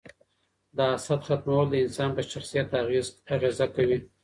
د حسد ختمول د انسان په شخصیت اغیزه کوي.